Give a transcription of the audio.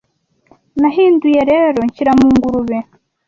Nahinduye rero Nshyira mu ngurube